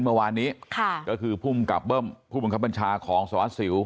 เมื่อวานนี้ค่ะก็คือภูมิกับเบิ้มผู้บังคับบัญชาของสหรัฐสิว